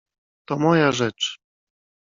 "To moja rzecz."